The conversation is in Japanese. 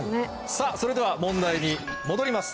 さぁそれでは問題に戻ります。